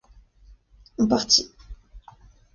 On partit.